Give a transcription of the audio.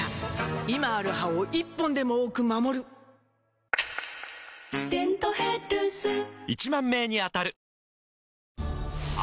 今ある歯を１本でも多く守る「デントヘルス」１０，０００名に当たる！